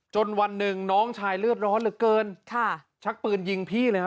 วันหนึ่งน้องชายเลือดร้อนเหลือเกินค่ะชักปืนยิงพี่เลยฮะ